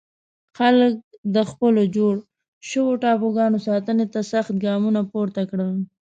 خلک د خپلو جوړ شوو ټاپوګانو ساتنې ته سخت ګامونه پورته کړل.